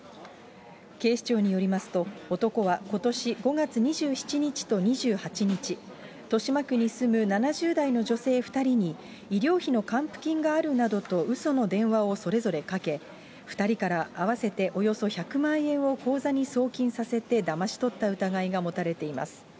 警視庁によりますと、男はことし５月２７日と２８日、豊島区に住む７０代の女性２人に医療費の還付金があるなどとうその電話をそれぞれかけ、２人から合わせておよそ１００万円を口座に送金させてだまし取った疑いが持たれています。